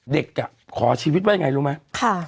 เด็กขอชีวิตว่ายังไงรู้ไหม